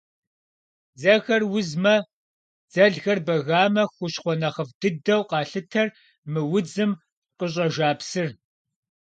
Дзэхэр узмэ, дзэлхэр бэгамэ – хущхъуэ нэхъыфӏ дыдэу къалъытэр мы удзым къыщӏэжа псыр.